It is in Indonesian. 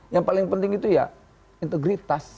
yang paling penting itu ya integritas